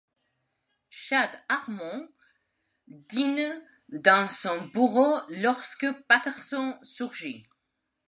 Chad Harmon dîne dans son bureau lorsque Patterson surgit.